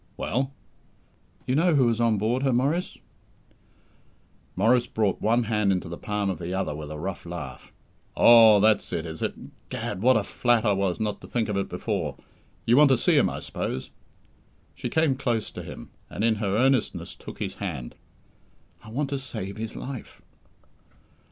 "Well?" "You know who was on board her, Maurice!" Maurice brought one hand into the palm of the other with a rough laugh. "Oh, that's it, is it! 'Gad, what a flat I was not to think of it before! You want to see him, I suppose?" She came close to him, and, in her earnestness, took his hand. "I want to save his life!"